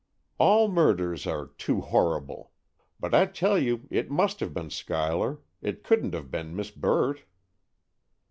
"All murders are 'too horrible.' But I tell you it must have been Schuyler—it couldn't have been Miss Burt!"